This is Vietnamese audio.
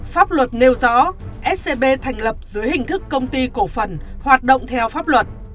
pháp luật nêu rõ scb thành lập dưới hình thức công ty cổ phần hoạt động theo pháp luật